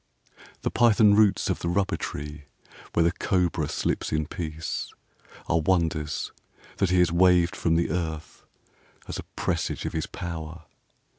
II The python roots of the rubber tree where the cobra slips in peace Are wonders that he has waved from the earth as a presage of his power.